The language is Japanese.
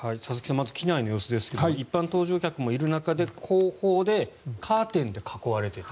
まず機内の様子ですが一般搭乗客もいる中で後方でカーテンで囲われている。